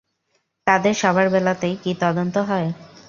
তাদের সবার বেলাতেই কি তদন্ত হয়?